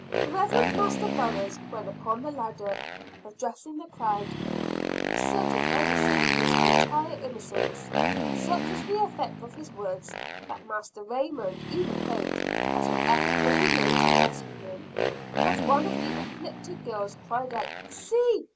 The Reverend Master Burroughs, when upon the ladder, addressing the crowd, asserted earnestly his entire innocence. Such was the effect of his words that Master Raymond even hoped that an effort would be made to rescue him. But one of the "afflicted girls" cried out, "See!